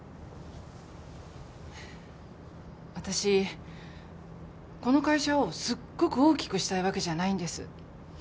私この会社をすっごく大きくしたいわけじゃないんです